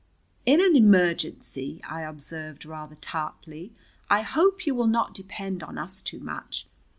"In an emergency," I observed rather tartly, "I hope you will not depend on us too much.